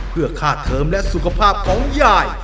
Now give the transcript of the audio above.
เพื่อค่าเทิมและสุขภาพของยาย